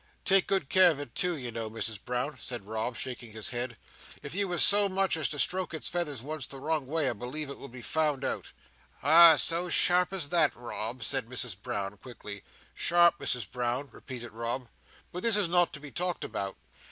"Take good care of it too, you know, Mrs Brown," said Rob, shaking his head. "If you was so much as to stroke its feathers once the wrong way, I believe it would be found out." "Ah, so sharp as that, Rob?" said Mrs Brown, quickly. "Sharp, Misses Brown!" repeated Rob. "But this is not to be talked about."